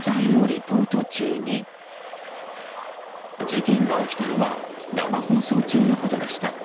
事件が起きたのは生放送中のことでした。